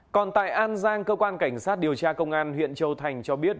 còn tại an giang cơ quan cảnh sát điều tra công an huyện châu thành cho biết